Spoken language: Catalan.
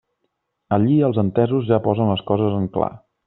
Allí els entesos ja posen les coses en clar.